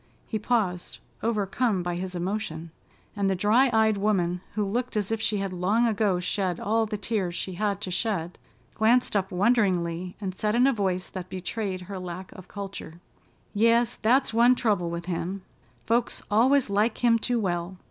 He paused, overcome by his emotion, and the dry eyed woman, who looked as if she had long ago shed all the tears she had to shed, glanced up wonderingly and said in a voice that betrayed her lack of culture: "Yes, that's one trouble with him: folks always like him too well.